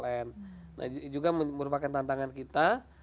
nah ini juga merupakan tantangan kita